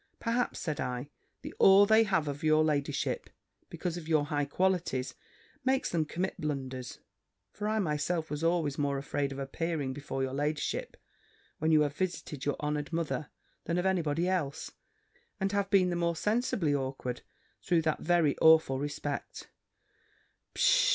"Perhaps," said I, "the awe they have of your ladyship, because of your high qualities, makes them commit blunders; for I myself was always more afraid of appearing before your ladyship, when you have visited your honoured mother, than of any body else, and have been the more sensibly awkward through that very awful respect."